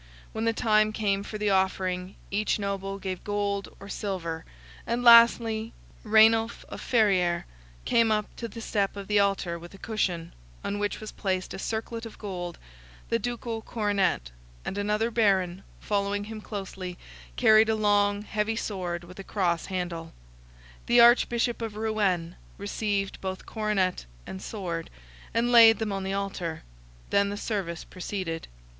When the time came for the offering, each noble gave gold or silver; and, lastly, Rainulf of Ferrieres came up to the step of the Altar with a cushion, on which was placed a circlet of gold, the ducal coronet; and another Baron, following him closely, carried a long, heavy sword, with a cross handle. The Archbishop of Rouen received both coronet and sword, and laid them on the Altar. Then the service proceeded.